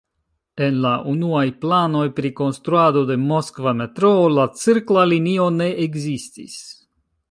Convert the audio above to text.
En la unuaj planoj pri konstruado de Moskva metroo la cirkla linio ne ekzistis.